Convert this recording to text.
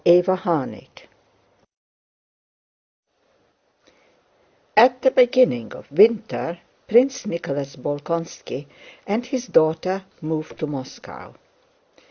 CHAPTER II At the beginning of winter Prince Nicholas Bolkónski and his daughter moved to Moscow.